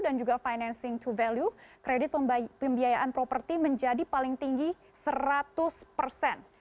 lalu juga untuk semua jenis kendaraan yang memiliki kredit pembiayaan property menjadi paling tinggi seratus persen